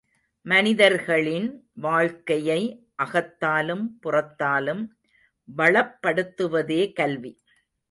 மனிதர்களின் வாழ்க்கையை அகத்தாலும் புறத்தாலும் வளப்படுத்துவதே கல்வி.